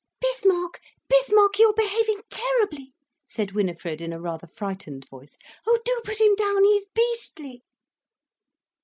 "Bismarck, Bismarck, you are behaving terribly," said Winifred in a rather frightened voice, "Oh, do put him down, he's beastly."